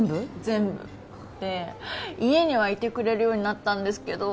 全部で家にはいてくれるようになったんですけど